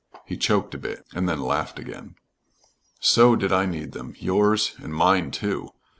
He choked a bit, and then laughed again. "So did I need them yours and mine, too."